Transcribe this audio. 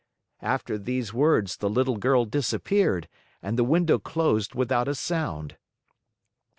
After these words, the little girl disappeared and the window closed without a sound.